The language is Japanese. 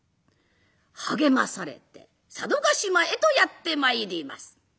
励まされて佐渡島へとやって参ります。